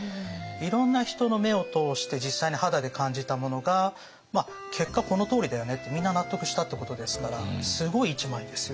いろんな人の目を通して実際に肌で感じたものが結果このとおりだよねってみんな納得したってことですからすごい１枚ですよね。